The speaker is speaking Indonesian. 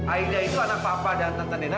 aida itu anak papa dan tante nida